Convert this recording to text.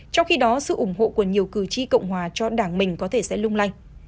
trong khi đó sự ủng hộ của nhiều cử tri cộng hòa cho đảng mình có thể sẽ lung lanh